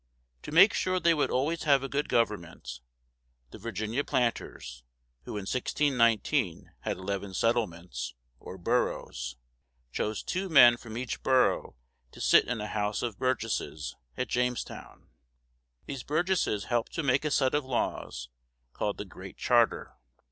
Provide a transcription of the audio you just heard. To make sure they would always have a good government, the Virginia planters, who in 1619 had eleven settlements, or boroughs, chose two men from each borough to sit in a House of Bur´ges ses at Jamestown. These burgesses helped to make a set of laws, called the "Great Charter."